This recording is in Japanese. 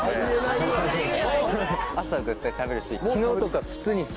朝絶対食べるし。